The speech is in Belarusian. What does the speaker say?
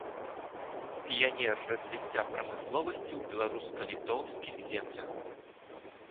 Піянер развіцця прамысловасці ў беларуска-літоўскіх землях.